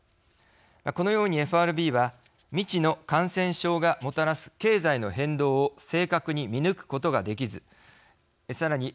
このようにＦＲＢは未知の感染症がもたらす経済の変動を正確に見抜くことができずさらに